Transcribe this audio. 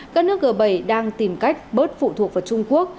các nước g bảy đang tìm cách bớt phụ thuộc vào trung quốc